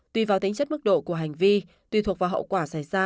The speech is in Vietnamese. tùy vào tính chất mức độ của hành vi tùy thuộc vào hậu quả xảy ra